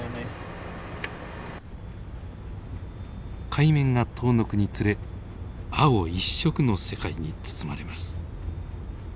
海面が遠のくにつれ青一色の世界に包まれます。